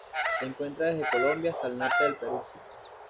Se encuentra desde Colombia hasta el norte del Perú.